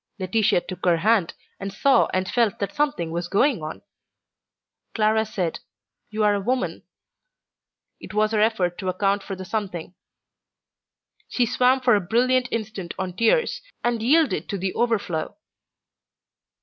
Laetitia took her hand, and saw and felt that something was going on. Clara said, "You are a woman." It was her effort to account for the something. She swam for a brilliant instant on tears, and yielded to the overflow.